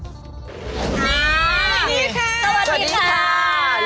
ค่ะสวัสดีค่ะ